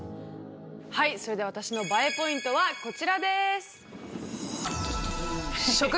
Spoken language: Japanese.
はいそれでは私のＢＡＥポイントはこちらです。